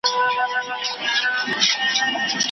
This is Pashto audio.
له ازله پیدا سوی یم شکېدلی